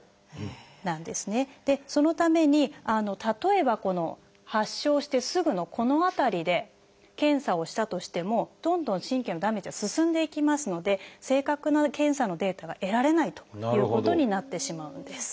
そのために例えば発症してすぐのこの辺りで検査をしたとしてもどんどん神経のダメージは進んでいきますので正確な検査のデータが得られないということになってしまうんです。